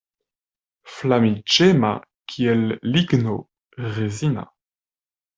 Flamiĝema kiel ligno rezina.